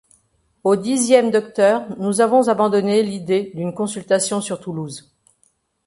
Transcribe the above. Au dixième docteur, nous avons abandonné l’idée d’une consultation sur Toulouse.